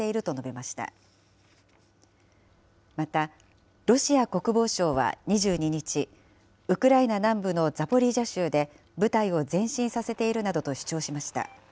また、ロシア国防省は２２日、ウクライナ南部のザポリージャ州で部隊を前進させているなどと主張しました。